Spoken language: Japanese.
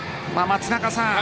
松中さん。